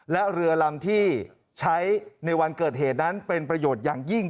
และเรือลำที่ใช้ในวันเกิดเหตุนั้นเป็นประโยชน์อย่างยิ่ง